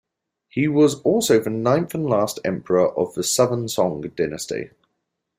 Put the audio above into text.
He was also the ninth and last emperor of the Southern Song dynasty.